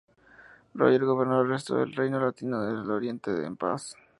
Roger gobernó el resto del reino latino de Oriente en paz.